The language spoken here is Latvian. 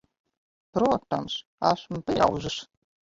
Protams. Esmu pieaudzis.